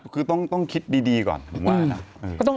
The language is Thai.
คือต้องคิดดีก่อนผมว่านะ